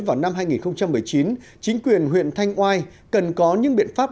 vào năm hai nghìn một mươi chín chính quyền huyện thanh oai cần có những biện pháp